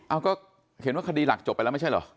เอาก็เห็นว่าคดีหลักจบไปแล้วไม่ใช่เหรอ